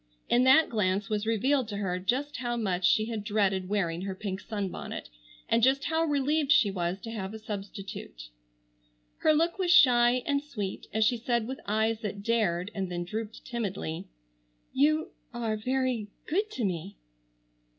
In that glance was revealed to her just how much she had dreaded wearing her pink sunbonnet, and just how relieved she was to have a substitute. Her look was shy and sweet as she said with eyes that dared and then drooped timidly: "You—are—very—good to me!"